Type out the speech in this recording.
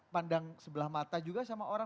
bisa dipandang sebelah mata juga sama orang